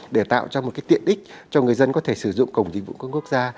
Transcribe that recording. để tạo ra một tiện ích cho người dân có thể sử dụng cổng dịch vụ công quốc gia